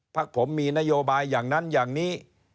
พักผมมีนโยบายอย่างนั้นอย่างนี้